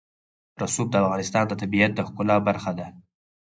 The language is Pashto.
رسوب د افغانستان د طبیعت د ښکلا برخه ده.